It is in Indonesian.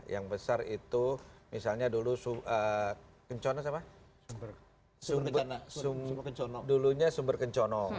yang besar itu misalnya dulu sumber kencono